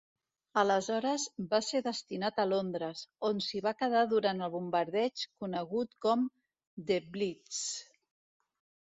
Aleshores va ser destinat a Londres, on s'hi va quedar durant el bombardeig conegut com "The Blitz".